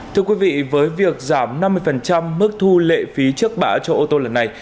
thưa quý vị với việc giảm năm mươi mức thu lệ phí trước bạ cho ô tô lần này